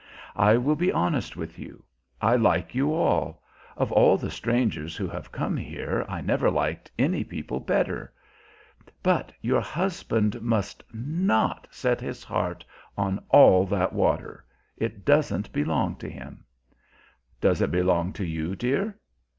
I will be honest with you. I like you all; of all the strangers who have come here I never liked any people better. But your husband must not set his heart on all that water! It doesn't belong to him." "Does it belong to you, dear?"